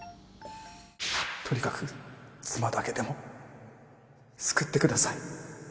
とにかく妻だけでも救ってください。